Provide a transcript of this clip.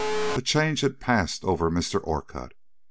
A change had passed over Mr. Orcutt.